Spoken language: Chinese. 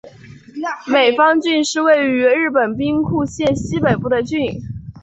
美方郡是位于日本兵库县西北部的郡。